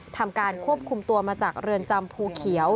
ทำการควบคุมตัวมาจากเรือนจำภูเขียว